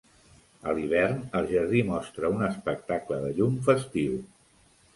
A l'hivern el jardí mostra un espectacle de llum festiu.